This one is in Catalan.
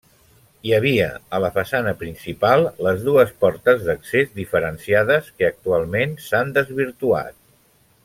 Hi havia, a la façana principal, les dues portes d'accés diferenciades, que actualment s'han desvirtuat.